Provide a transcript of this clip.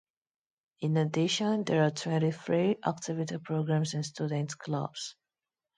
In addition there are twenty-three activity programs and student clubs.